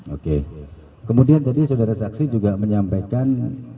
oke kemudian tadi saudara saksi juga menyampaikan